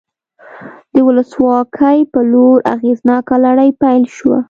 د ولسواکۍ په لور اغېزناکه لړۍ پیل شوه.